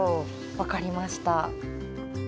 分かりました。